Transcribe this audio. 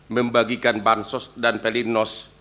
membagikan bansos dan pelindos